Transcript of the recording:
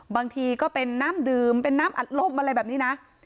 บางทีก็เป็นน้ำดื่มเป็นน้ำอัดลมอะไรแบบนี้นะ